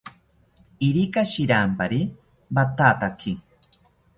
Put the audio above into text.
Irika shirampari wathataki